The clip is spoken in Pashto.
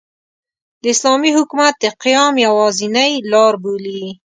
د اسلامي حکومت د قیام یوازینۍ لاربولي.